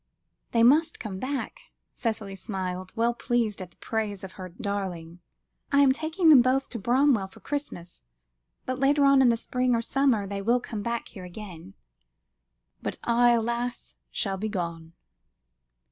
"They must come back," Cicely smiled, well pleased at the praise of her darling. "I am taking them both to Bramwell for Christmas, but later on in the spring or summer, they will come here again." "But I, alas! shall be gone."